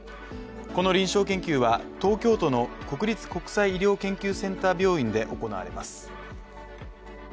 この臨床研究は東京都の国立国際医療研究センター病院で行われます。